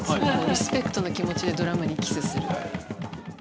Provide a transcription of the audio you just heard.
リスペクトの気持ちでドラムにキスする。